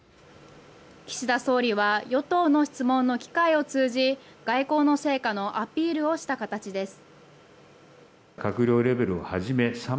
岸田総理は与党の質問の機会を通じ外交の成果のアピールをした形です。